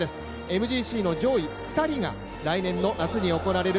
ＭＧＣの上位２人が、来年の夏に行われます